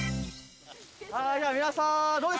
はい皆さんどうですか？